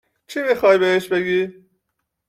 چی میخوایی بهش بگی ؟